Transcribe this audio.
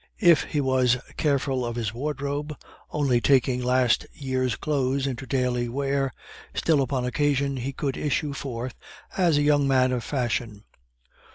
If he was careful of his wardrobe, only taking last year's clothes into daily wear, still upon occasion he could issue forth as a young man of fashion.